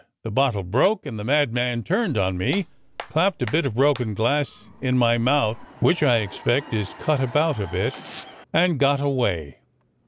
The bottle broke, and the mad man turned on me, clapped a bit of broken glass in my mouth, which I expect is cut about a bit, and got away.